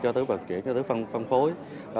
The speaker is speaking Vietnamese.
cho tới vận chuyển cho tới phân phối